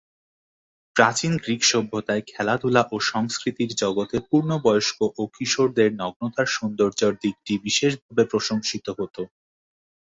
প্রাচীন গ্রিক সভ্যতায় খেলাধুলা ও সংস্কৃতির জগতে পূর্ণবয়স্ক ও কিশোরদের নগ্নতার সৌন্দর্যের দিকটি বিশেষভাবে প্রশংসিত হত।